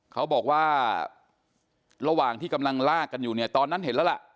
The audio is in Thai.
เขาบอกว่าระหว่างที่กำลังลากกันอยู่เนี่ยตอนนั้นเห็นแล้วล่ะ